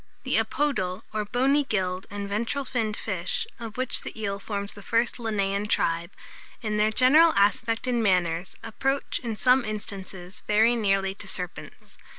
The Apodal, or bony gilled and ventral finned fish, of which the eel forms the first Linnaean tribe, in their general aspect and manners, approach, in some instances, very nearly to serpents.